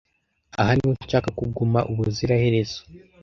aha niho nshaka kuguma ubuziraherezo